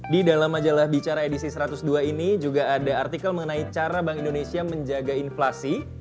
di dalam majalah bicara edisi satu ratus dua ini juga ada artikel mengenai cara bank indonesia menjaga inflasi